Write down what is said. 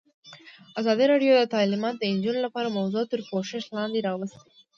ازادي راډیو د تعلیمات د نجونو لپاره موضوع تر پوښښ لاندې راوستې.